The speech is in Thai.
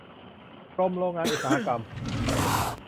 กรมโรงงานอุตสาหกรรม